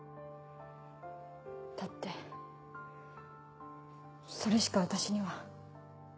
だってそれしか私には。